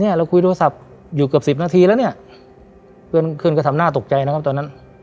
เราคุยโทรศัพท์อยู่เกือบสิบนาทีแล้วเนี่ยเพื่อนก็ทำหน้าตกใจนะครับตอนนั้น